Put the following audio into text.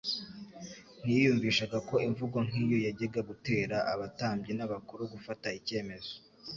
Ntiyiyumvishaga ko imvugo nk'iyo yajyaga gutera abatambyi n'abakuru gufata icyemezo